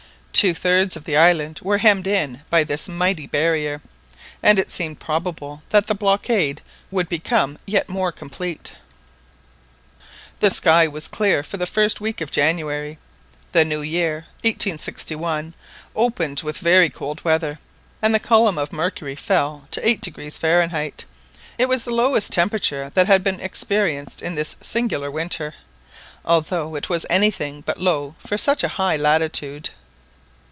Two thirds of the island were hemmed in by this mighty barrier, and it seemed probable that the blockade would become yet more complete. The sky was clear for the first week of January. The new year, 1861, opened with very cold weather, and the column of mercury fell to 8° Fahrenheit. It was the lowest temperature that had yet been experienced in this singular winter, although it was anything but low for such a high latitude.